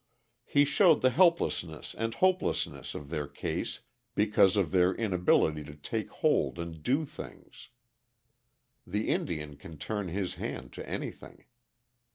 He showed the helplessness and hopelessness of their case because of their inability to take hold and do things. The Indian can turn his hand to anything.